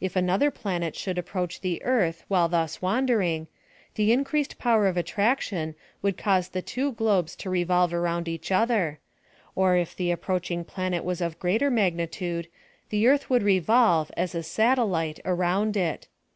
If another planet should approach the earth while thus wandering, the increased jJower of attraction would cause the two globes to revolve around each other ; or if the approaching planet was of greater magnitude, the earth would revolve, as a satellite, around it.